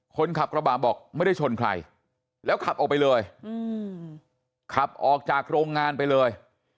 คนขับกระบะบอกไม่ได้ชนใครแล้วขับออกไปเลยขับออกจากโรงงานไปเลย